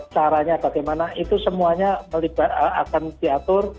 caranya bagaimana itu semuanya akan diatur